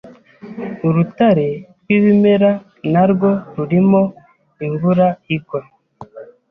Urutare rwibimera narwo rurimo imvura igwa